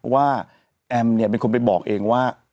แอมเนี่ยเป็นคนไปบอกเองว่า